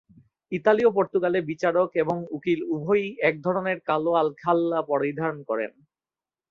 Italy ও পর্তুগালে বিচারক এবং উকিল উভয়ই এক ধরনের কালো আলখাল্লা পরিধান করেন।